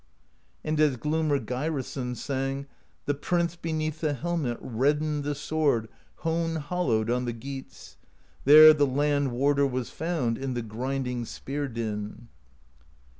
^ And as Glumr Geirason sang The Prince beneath the helmet Reddened the sword hone hollowed On the Geats: there the Land Warder Was found in the grinding spear din.